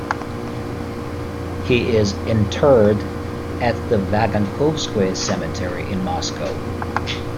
He is interred at the Vagankovskoye Cemetery in Moscow.